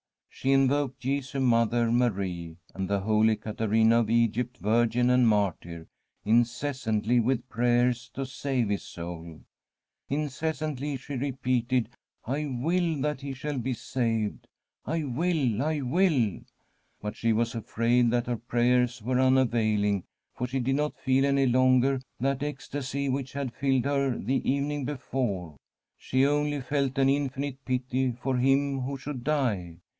She invoked Jesu, Mother, Marie, and the Holy Caterina of Egypt, virgin and martyr, incessantly with prayers to save his soul. Incessantly she re peated: ' I will that he shall be saved— I will, I will.' But she was afraid that her prayers were unavailing, for she did not feel any longer that ecstasy which had filled her the evening before ; she only felt an infinite pity for him who should die.